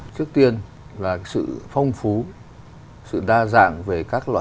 trước tiên là sự phong phú sự đa dạng về các loại